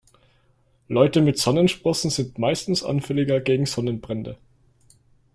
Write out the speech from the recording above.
Leute mit Sommersprossen sind meistens anfälliger gegen Sonnenbrände.